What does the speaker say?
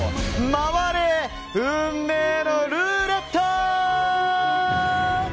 回れ、運命のルーレット！